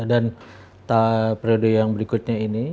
periode yang berikutnya ini